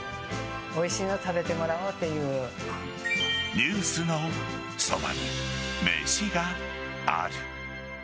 「ニュースのそばに、めしがある。」